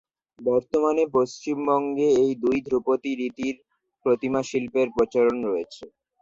বর্তমানে পশ্চিমবঙ্গে এই দুই ধ্রুপদী রীতির প্রতিমা শিল্পের প্রচলন রয়েছে।